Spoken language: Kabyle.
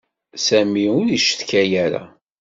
Sami ur icetka ara.